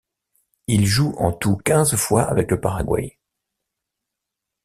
Il joue en tout quinze fois avec le Paraguay.